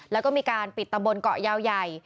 แล้วก็มีการปิดตำบลเกาะยาวใหญ่